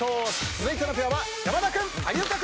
続いてのペアは山田君有岡君！